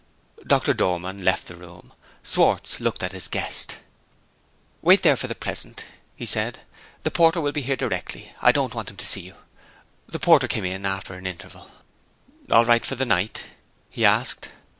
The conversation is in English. Doctor Dormann left the room. Schwartz looked in at his guest. "Wait there for the present," he said. "The porter will be here directly: I don't want him to see you." The porter came in after an interval. "All right for the night?" he asked.